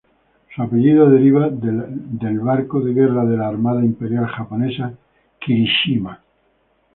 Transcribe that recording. Su apellido deriva de la barco de guerra de la Armada Imperial Japonesa Kirishima.